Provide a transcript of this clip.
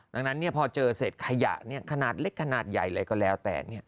ดังนั้นพอเจอเศษขยะขนาดเล็กขนาดใหญ่เลยก็แล้วแต่